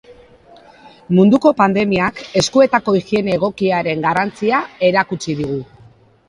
Munduko pandemiak eskuetako higiene egokiaren garrantzia erakutsi digu.